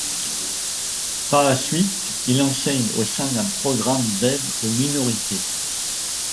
Par la suite, il enseigne au sein d'un programme d'aide aux minorités.